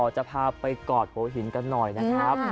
จะพาไปกอดหัวหินกันหน่อยนะครับ